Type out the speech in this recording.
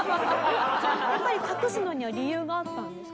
やっぱり隠すのには理由があったんですか？